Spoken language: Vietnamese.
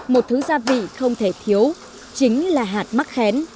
một thứ gia vị không thể thiếu chính là hạt mắc khén